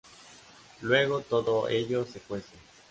Luego todo ello se cuece.